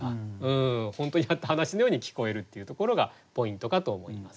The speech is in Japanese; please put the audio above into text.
本当にあった話のように聞こえるっていうところがポイントかと思います。